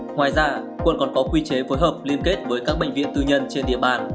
ngoài ra quận còn có quy chế phối hợp liên kết với các bệnh viện tư nhân trên địa bàn